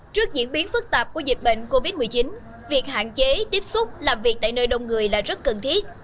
trước diễn biến phức tạp của dịch bệnh covid một mươi chín việc hạn chế tiếp xúc làm việc tại nơi đông người là rất cần thiết